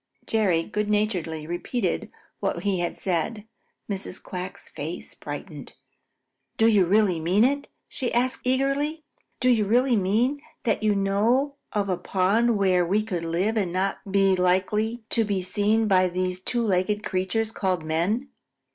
Jerry good naturedly repeated what he had said. Mrs. Quack's face brightened. "Do you really mean it?" she asked eagerly. "Do you really mean that you know of a pond where we could live and not be likely to be seen by these two legged creatures called men?"